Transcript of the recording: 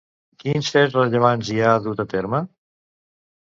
Quins fets rellevants hi ha dut a terme?